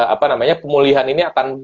apa namanya pemulihan ini akan